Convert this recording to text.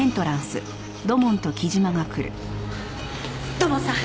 土門さん！